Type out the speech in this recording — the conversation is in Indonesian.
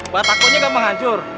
batakonnya gampang hancur